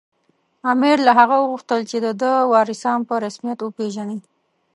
امیر له هغه وغوښتل چې د ده وارثان په رسمیت وپېژني.